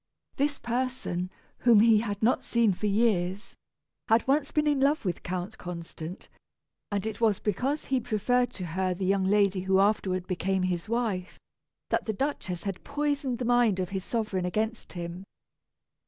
This person, whom he had not seen for years, had once been in love with Count Constant, and it was because he preferred to her the young lady who afterward became his wife, that the Duchess had poisoned the mind of his sovereign against him.